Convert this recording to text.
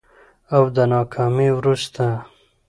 او د ناکامي وروسته